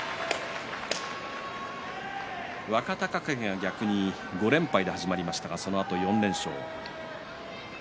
若隆景が逆に５連敗で始まりましたがそのあと４連勝。